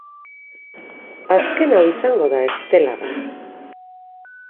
Azken hau izango da estelarra.